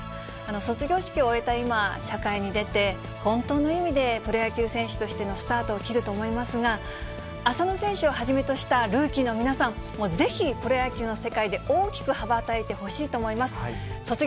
卒業式を終えた今、社会に出て、本当の意味で、プロ野球選手としてのスタートを切ると思いますが、浅野選手をはじめとしたルーキーの皆さん、ぜひプロ野球の世界で大きく羽ばたいてほしいと思います。